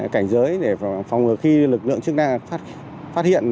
cảnh giới để phòng ngừa khi lực lượng chức năng phát hiện